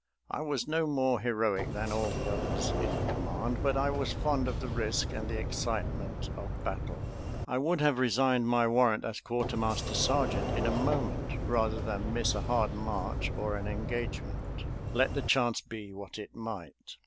I was no more heroic than all the others in the command, but I was fond of the risk and the excitement of battle. I would have resigned my warrant as quartermaster sergeant in a moment rather than miss a hard march or an engagement, let the chance be what it might.